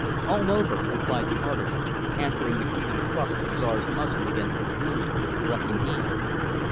"All over," replied the artist, answering the greeting thrust of Czar's muzzle against his knee, with caressing hand.